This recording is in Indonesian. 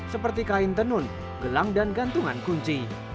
seperti kain tenun gelang dan gantungan kunci